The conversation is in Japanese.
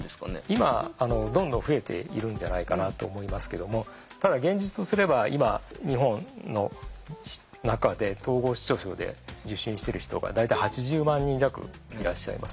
今どんどん増えているんじゃないかなと思いますけどもただ現実とすれば今日本の中で統合失調症で受診してる人が大体８０万人弱いらっしゃいます。